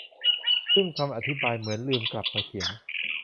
ซึ่งคำอธิบายเหมือนลืมกลับมาเขียน